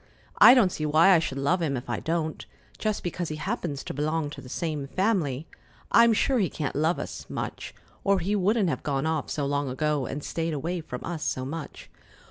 I don't see why I should love him if I don't, just because he happens to belong to the same family. I'm sure he can't love us much, or he wouldn't have gone off so long ago and stayed away from us so much."